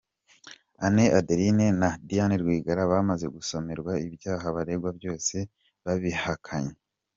Anne, Adeline na Diane Rwigara bamaze gusomerwa ibyaha baregwa bose babihakanye.